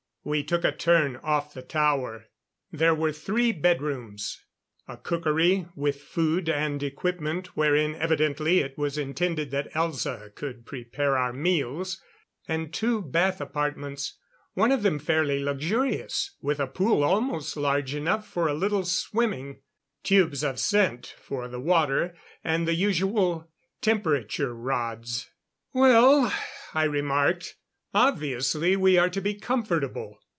We took a turn of the tower. There were three bedrooms; a cookery, with food and equipment wherein evidently it was intended that Elza could prepare our meals; and two bath apartments, one of them fairly luxurious, with a pool almost large enough for a little swimming; tubes of scent for the water and the usual temperature rods. "Well," I remarked. "Obviously we are to be comfortable."